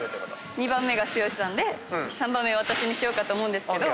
２番目が剛さんで３番目私にしようかと思うんですけど。